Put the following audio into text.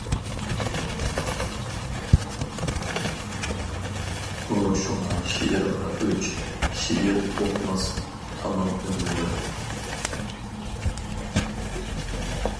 ئۇ شۇڭا شېئىرغا ئۆچ شېئىر ئۇقماس تامام ئۆمرىدە.